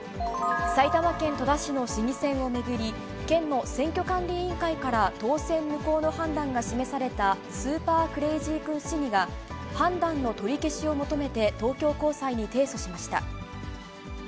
埼玉県戸田市の市議選を巡り、県の選挙管理委員会から当選無効の判断が示された、スーパークレイジー君市議が、判断の取り消しを求めて、東京高裁に提訴しました。